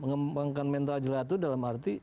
mengembangkan mental jelata itu dalam arti